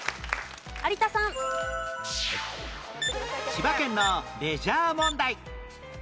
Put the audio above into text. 千葉県のレジャー問題